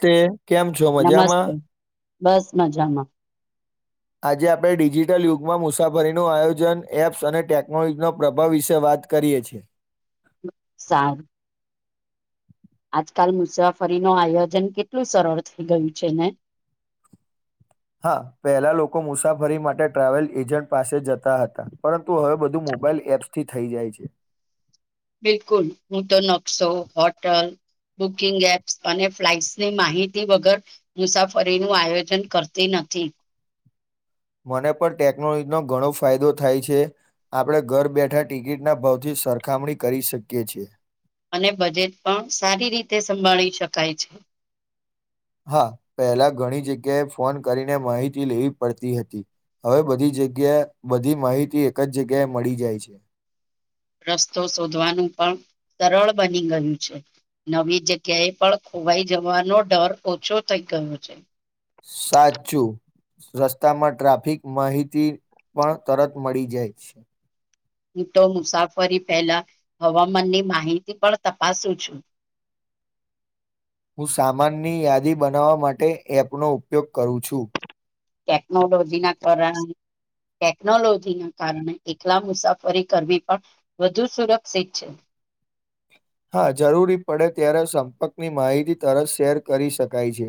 તે કેમ છો મજામાં નમસ્તે બસ મજામાં આજે આપણે ડિજિટલ યુગમાં મુસાફરીનું આયોજન એપ્સ અને ટેકનોલોજીનો પ્રભાવ વિશે વાત વાત કરીએ છ છેીએ સામ આજકાલ મુસાફરી ન આયોજન કેટલું સરળ થઈ ગયું છે ને [inaudible] હા પેલા લોકો મુસાફરી માટે ટ્રાવેલ એજન્ટ પાસે જતા હતા પરંતુ હવે બધું મોબાઈલ એપ્સથી થઈ જાય છે બિલકુલ હું તો નકશો હોટલ બુકિંગ એપ્સ અને ફ્લાઇટ્સની માહિતી વગર મુસાફરી નું આયોજન કરતી નથી ઠી [inaudible] મને પણ ટેકનોલોજીનો ઘણો ફાયદો થાય છે આપણે ઘર બેઠા ટિકિટના ભાવથી સરખામણી કરી શકીએ છી અને બજેટ પણ સારી રીતે સંભાળી શકાય છે હા પહેલા ઘણી જગ્યાએ ફોન કરીને માહિતી લેવી પડતી હતી હવે બધી જગ્યા બધી માહિતી એક જ જગ્યાએ મળી જાય છે રસ્તો શોધવાનું પણ સરળ બની ગયું છે નવી જગ્યાએ પણ ખોવાઈ જવાનો ડર ઓછો થઈ ગયો છે સાચું રસ્તામાં ટ્રાફિક માહિતી પણ તરત મળી જાય છે હું તો મુસાફરી પહેલા હવામાનની માહિતી પણ તપાસું છું [inaudible] હું સામાનની યાદી બનાવવા માટે એપનો ઉપયોગ કરું છું ટેકનોલોજી ના કારણ ટેકનોલોજીના કારણે એકલા મુસાફરી કરવી પણ વધુ સુરક્ષિત છે [inaudible] હા જરૂરી પડે ત્યારે સંપર્કની માહિતી તરત શેર કરી શકાય છે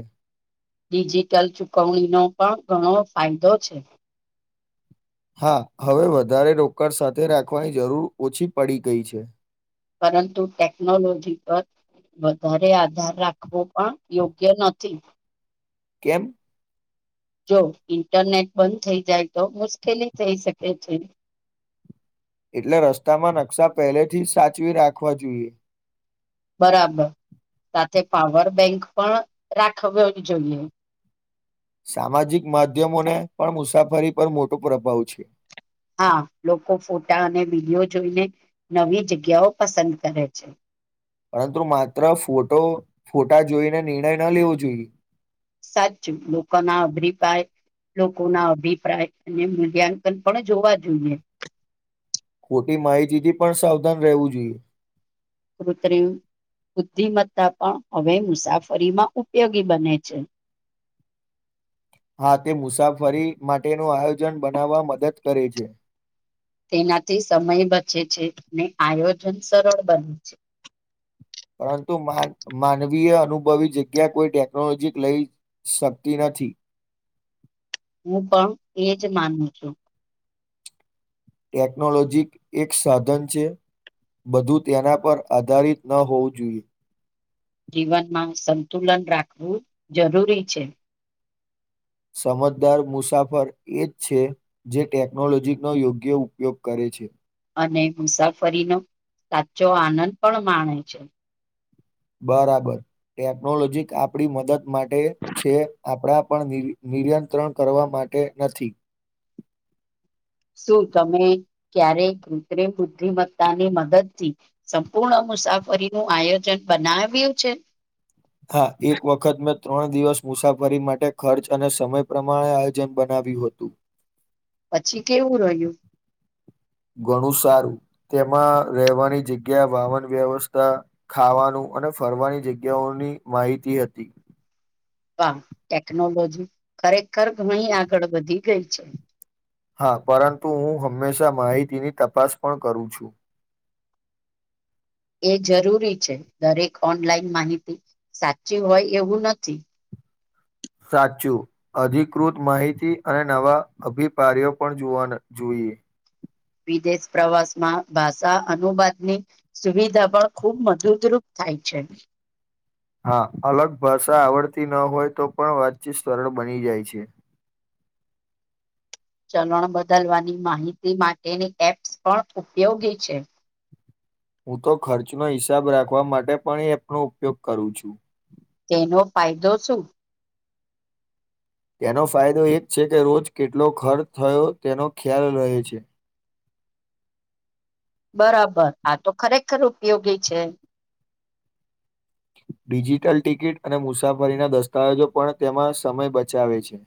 ડિજિટલ ચૂકવણીનો પણ ઘણો ફાયદો છે હા હવે વધારે રોકડ સાથે રાખવાની જરૂર ઓછી પડી ગઈ છે પરંતુ ટેક્નોલોજી પર વધારે આધાર રાખવો પણ યોગ્ય નથી કેમ જો ઇન્ટરનેટ બંધ થઈ જાય તો મુશ્કેલી થઈ શકે છે એટલે રસ્તામાં નકશા પહેલેથી જ સાચવી રાખવા જોઈએ બરાબર સાથે પાવર બેંક પણ રાખ્યો જ જોઈએ સામાજિક માધ્યમોને પણ મુસાફરી પર મોટો પ્રભાવ છે હા લોકો ફોટા અને વિડીિયો જોઈને નવી જગ્યાઓ પસંદ કરે છે પરંતુ માત્ર ફોટો ફોટા જોઈને નિર્ણય ન લેવો જોઈએ સાચ લોકો ના અભિપાય લોકો ના અભિપ્રાય અને મૂલ્યાંકન પણ જોવા જોઈએ ખોટી માહિતીથી પણ સાવધાન રહેવું જોઈએ ક ત્રીમ બુદ્ધિમત્તા પણ હવે મુસાફરીમાં ઉપયોગી બને છે હા તે મુસાફરી માટેનું આયોજન બનાવવા મદદ કરે છે તેનાથી સમય બચે છે અને આયોજન સરળ બને છે પરંતુ માનવીય અનુભવી જગ્યા કોઈ ટેકનોલોજી લઈ શકતી નથી હું પણ એજ માનું છું ટેકનોલોજી એક સાધન છે બધું તેના પર આધારિત ન હોવું જોઈએ જીવનમાં સંતુલન રાખવું જરૂરી છે સમજદાર મુસાફર એ જ છે જે ટેકનોલોજીનો યોગ્ય ઉપયોગ કરે છે અને મુસાફરીનો સાચો આનંદ પણ માણે છે બરાબર ટેકનોલોજી આપણી મદદ માટે છે આપણા પણ નિયંત્રણ કરવા માટે માટે નથી શું તમે ક્યારે કૃત્રિમ બુદ્ધિમત્તાની મદદથી સંપૂર્ણ મુસાફરી નું આયોજન બનાવ્યું છે હા એક વખત મેં ત્રણ દિવસ મુસાફરી માટે ખર્ચ અને સમય પ્રમાણે આયોજન બનાવ્યું હતું પછી કેવું રહ્યું ઘણું સારું તેમાં રહેવાની જગ્યા વાહન વ્યવસ્થા ખાવાનું અને ફરવાની જગ્યાઓની માહિતી હતી હા ટેકનોલોજી ખરેખર ઘણી આગળ વધી ગઈ છે હા પરંતુ હું હંમેશા માહિતીની તપાસ પણ કરું છું એ જરૂરી છે દરેક ઓનલાઈન માહિતી સાચું હોય એવું નથી સાચું અધિકૃત માહિતી અને નવા અભિપાય્યો પણવા જોઈએ વિદેશ પ્રવાસ માં ભાષા અનુવાદની સુવિધા પણ ખુબ મધૂદરૂૂપ થાય છે હા અલગ ભાષા આવડતી ન હોય તો પણ વાતચીત સરળ બની જાય છે ચલણ બદલવાની માહિતી માટેની એપ્સ પણ ઉપયોગી છે હું તો ખર્ચનો હિસાબ રાખવા માટે પણ એપનો ઉપયોગ કરું છું તેનો ફાયદો શું તેનો ફાયદો એ જ છે કે રોજ કેટલો ખર્ચ થયો તેનો ખ્યાલ રહે છે બરાબર આ તો ખરેખર ઉપયોગી છે ડિજિટલ ટિકિટ અને મુસાફરીના દસ્તાવેજો પણ તેમાં સમય બચાવે છે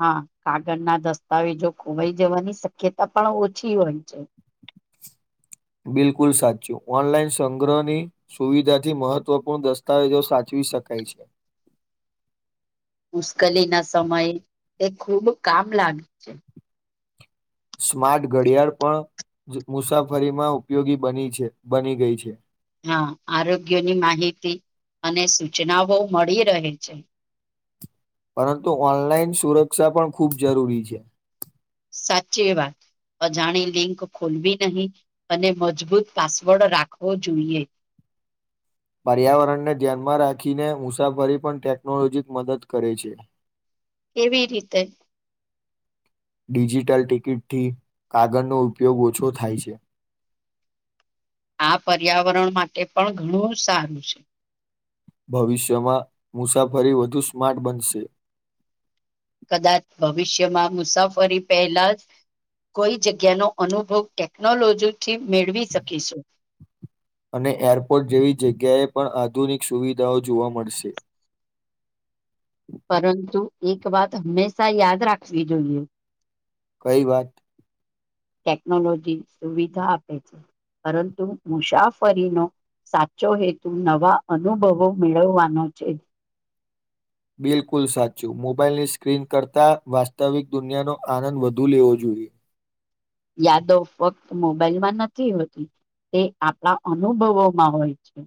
હા કાગળ ના દસ્તાવેજો ખોવાઈ જવાની શક્યતા પણ ઓછી હોય છે બિલકુલ સાચ્યું ઓનલાઈન સંગ્રહની સુવિધા થી મહત્વપૂર્ણ દસ્તાવેજો સાચવી શકે કઈ છે મુશ્કેલી ના સમયે તે ખૂબ કામ લાગે છે સ્માર્ટ ઘડિયાળ પણ મુસાફરીમાં ઉપયોગી બની છે બની ગઈ છે હા આરોગ્યની માહિતી અને સૂચનાઓ મળી રહે છે પરંતુ ઓનલાઈન સુરક્ષા પણ ખૂબ જરૂરી છે સાચી વાત અજાણી લિંક ખોલવી નહીં અને મજબૂત પાસવર્ડ રાખવો જોઈએ [inaudible] પર્યાવરણને ધ્યાનમાં રાખીને મુસાફરી પણ ટેકનોલોજી મદદ કરે છે [inaudible] કેવી રીતે ડિજિટલ ટિકિટથી કાગળનો ઉપયોગ ઓછો થાય છે [inaudible] આ પર્યાવરણ માટે પણ ઘણું સારું છે ભવિષ્યમાં મુસાફરી વધુ સ્માર્ટ બનશે કદાચ ભવિષ્યમાં મુસાફરી પહેલા જ કોઈ જગ્યાનો અનુભવ ટેકનોલોજીથી મેળવી શકીશું અને એરપોર્ટ જેવી જગ્યાએ પણ આધુનિક સુવિધાઓ જોવા મળશે પરંતુ એક વાત હંમેશા યાદ રાખવી જોઈએ કઈ વાત ટેકનોલોજી સુવિધા આપે છે પરંતુ મુસાફરીનો સાચો હેતુ નવા અનુભવો મેળવવાનો છે બિલકુલ સાચું મોબાઈલની સ્ક્રીન કરતાં વાસ્તવિક દુનિયાનો આનંદ વધુ લેવો જોઈએ બ યાદો ફક્ત મોબાઈલ માં નથી હોતી. તે આપણા અનુભવોમાં હોય છે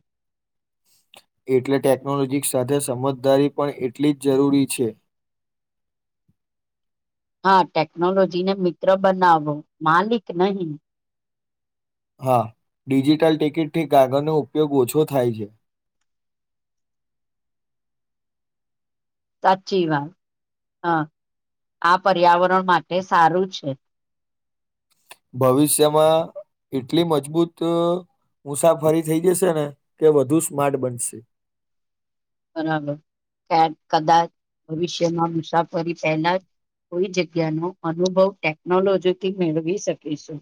એટલે ટેકનોલોજી સાથે સમજદારી પણ એટલી જ જરૂરી છે [inaudible] હા ટેકનોલોજીને મિત્ર બનાવો માલિક નહી હા ડિજિટલ ટિકિટથી કાગળનો ઉપયોગ ઓછો થાય છે [inaudible] સાચી વાત હા આ પર્યાવરણ માટે સારું છે ભવિષ્યમાં એટલી મજબૂત મુસાફરી થઈ જશે ને કે વધુ સ્માર્ટ બનશે બરાબર કદાચ ભવિષ્યમાં મુસાફરી પહેલા જ કોઈ જગ્યાનો અનુભવ ટેકનોલોજીથી મેળવી શકીશું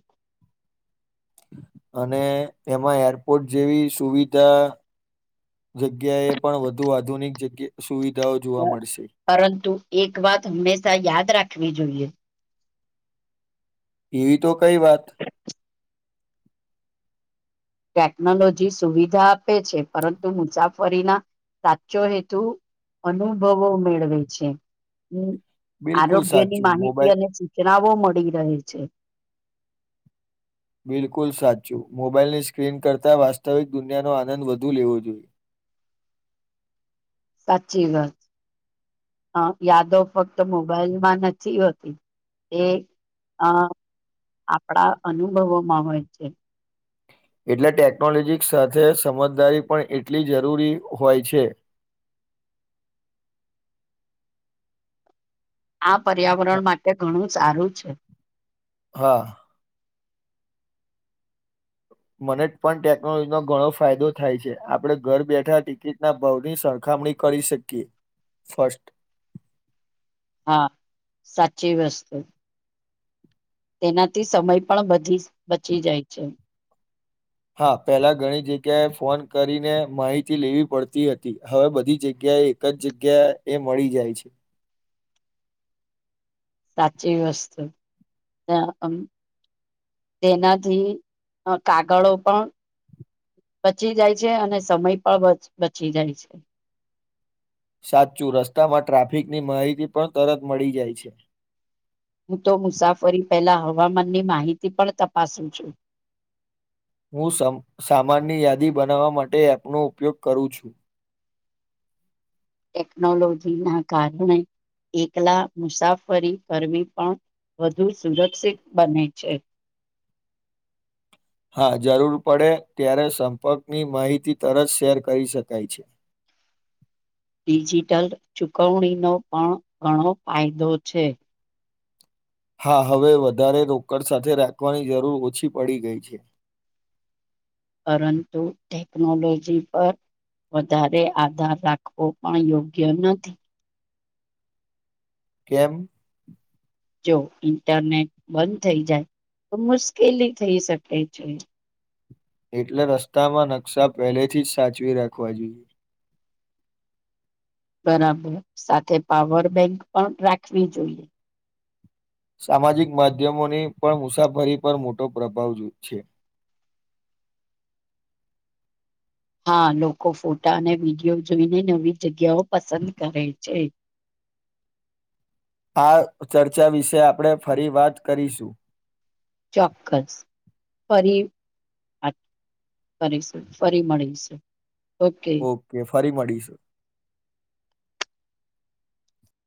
અને એમાં એરપોર્ટ જેવી સુવિધા જગ્યાએ પણ વધુ આધુનિક જગ્યા સુવિધા પરંતુ એક વાત હંમેશા યાદ રાખવી જોઈએ એવી તો કઈ વાત ટેકનોલોજી સુવિધા આપે છે પરંતુ મુસાફરીના સાચો હેતુ અનુભવો મેળવે છે બિલકુલ આરોગ્ય ની સાચું માહિતી મોબાઈલ અને સૂચના ો મળી રહે છે બિલકુલ સાચું મોબાઈલની સ્ક્રીન કરતાં વાસ્તવિક દુનિયાનો આનંદ વધુ લેવો જોઈએ [inaudible] સાચી વાત અ યાદો ફક્ત મોબાઈલ માં નથી હોતી એ અ આપણા અનુભવોમાં હોય છે એટલે ટેકનોલોજી સાથે સમજદારી પણ એટલી જરૂરી હોય છે [unintelligible] આ પર્યાવરણ માટે ઘણું સારું છે હા મને પણ ટેકનોલોજી નો ઘણો ફાયદો થાય છે આપડે ઘર બેઠા ટિકિટના ભાવની સરખા મણી કરી શકીએ ફસ્ટ હા સાચી વસ્તુ તેનાથી સમય પણી બચી જાય છે હા પહેલા ઘણી જગ્યાએ ફોન કરીને માહિતી લેવી પડતી હતી હવે બધી જગ્યા એક જ જગ્યા એ મળી જાય છે સાચી વસ્તુ ત્યાં એમ તેનાથી કાગળો પણ બચી જાય છે અને સમય પણ બચી જાય છે સાચું રસ્તામાં ટ્રાફિકની માહિતી પણ તરત મળી જાય છે. હું તો મુસાફરી પહેલાં હવામાનની માહિતી પણ તપાસું છું. હું સમ સામાનની યાદી બનાવવા માટે એપનો ઉપયોગ કરું છું. ટેકનોલોજી ના કારણે એકલા મુસાફરી કરવી પણ- વધુ સુરક્ષિત બને છે. હા જરૂર પડે ત્યારે સંપર્કની માહિતી તરત શેર કરી શકાય છે. [unintelligible] ડિજિટલ ચૂકવણીનો પણ ઘણો ફાયદો છે. હા હવે વધારે રોકડ સાથે રાખવાની જરૂર ઓછી પડી ગઈ છે. [unintelligible] પરંતુ ટેકનોલોજી પર વધારે આધાર રાખવો પણ યોગ્ય નથી. કેમ? જો ઇન્ટરનેટ બંધ થઈ જાય તો મુશ્કેલી થઈ શકે છે. એટલે રસ્તામાં નકશા પહેલેથી જ સાચવી રાખવા જોઈએ. બરાબર સાથે પાવર બેંક પણ રાખવી જોઈએ. સામાજિક માધ્યમોની પણ મુસાફરી પર મોટો પ્રભાવ છે. [unintelligible] હા લોકો ફોટા અને વિડીયો જોઈને નવી જગ્યાઓ પસંદ કરે છે. [inaudible] આ ચર્ચા વિશે આપણે ફરી વાત કરીશું. ચોક્કસ ફરી. ફરી શુ ફરી મળી શુ. ઓકે ફરી મળીશુ.